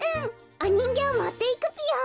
おにんぎょうもっていくぴよ。